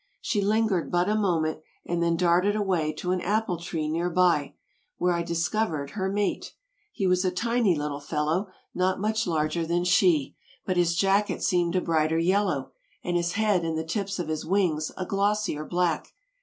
She lingered but a moment and then darted away to an apple tree near by, where I discovered her mate. He was a tiny little fellow, not much larger than she, but his jacket seemed a brighter yellow and his head and the tips of his wings a glossier black.